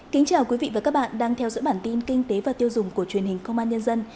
kính chào quý vị và các bạn đang theo dõi bản tin kinh tế và tiêu dùng của truyền hình công an nhân dân